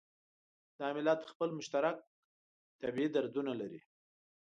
دا ملت خپل مشترک طبعي دردونه لري.